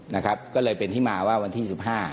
นะครับก็เลยเป็นที่มาว่าวันที่๑๕